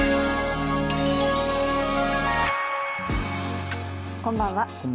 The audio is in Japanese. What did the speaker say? こんばんは。